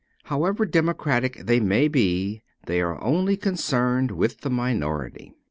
However democratic they may be, they are only concerned with the minority.